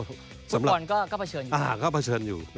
ฟุตบอลก็เผชิญอยู่